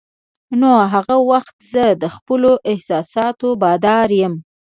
نو هغه وخت زه د خپلو احساساتو بادار یم.